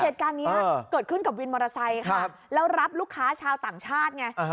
เหตุการณ์นี้เกิดขึ้นกับวินมอเตอร์ไซค์ค่ะแล้วรับลูกค้าชาวต่างชาติไง